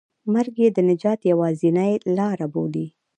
مرګ یې د نجات یوازینۍ لاره بولي.